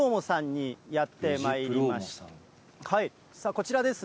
こちらです。